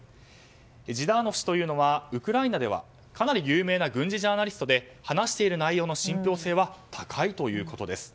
ジダーノフ氏というのはウクライナではかなり有名な軍事ジャーナリストで話している内容の信ぴょう性は高いということです。